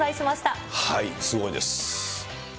すごいです。